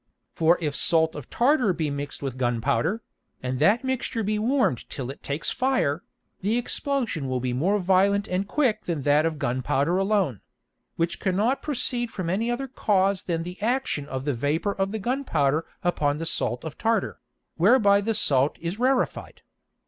For if Salt of Tartar be mix'd with Gun powder, and that Mixture be warm'd till it takes fire, the Explosion will be more violent and quick than that of Gun powder alone; which cannot proceed from any other cause than the action of the Vapour of the Gun powder upon the Salt of Tartar, whereby that Salt is rarified.